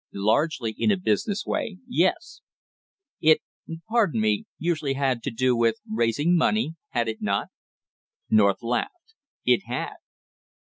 "Largely in a business way, yes." "It pardon me usually had to do with raising money, had it not?" North laughed. "It had."